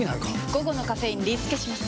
午後のカフェインリスケします！